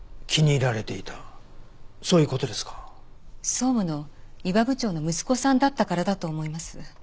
総務の伊庭部長の息子さんだったからだと思います。